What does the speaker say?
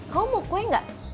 kamu mau kue gak